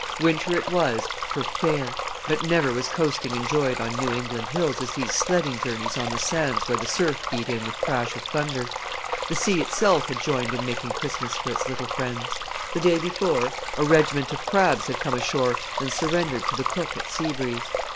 Winter it was "for fair," but never was coasting enjoyed on New England hills as these sledding journeys on the sands where the surf beat in with crash of thunder. The sea itself had joined in making Christmas for its little friends. The day before, a regiment of crabs had come ashore and surrendered to the cook at Sea Breeze.